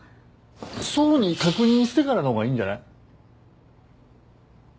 想に確認してからの方がいいんじゃない？